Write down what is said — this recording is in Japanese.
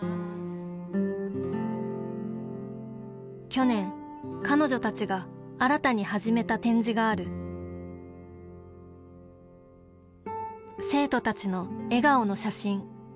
去年彼女たちが新たに始めた展示がある生徒たちの笑顔の写真。